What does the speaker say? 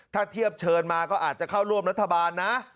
ถ้าเทียบเชิญมาก็อาจจะเข้าร่วมรัฐบาลนะ